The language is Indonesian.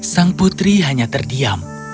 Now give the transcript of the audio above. sang putri hanya terdiam